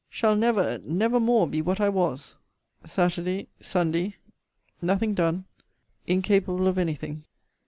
Shall never, never more be what I was! Saturday Sunday Nothing done. Incapable of any thing.